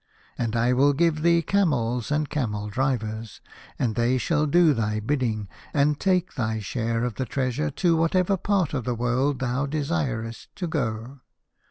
And I will give thee camels and camel drivers, and they shall do thy bidding and take thy share of the treasure to whatever part of the world thou desirest to go.